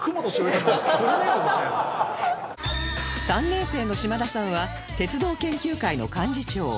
３年生の島田さんは鉄道研究会の幹事長